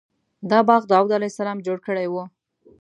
دا باغ داود علیه السلام جوړ کړی و.